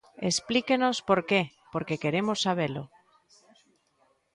Explíquenos por que, porque queremos sabelo.